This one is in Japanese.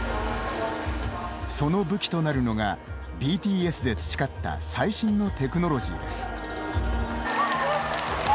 その武器となるのがＢＴＳで培った最新のテクノロジーです。